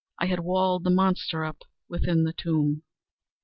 I had walled the monster up within the tomb!